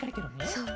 そう。